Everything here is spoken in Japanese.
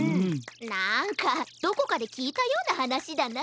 なんかどこかできいたようなはなしだな。